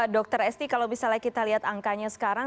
dr esti kalau misalnya kita lihat angkanya sekarang